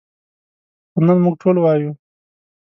خو نن موږ ټول وایو.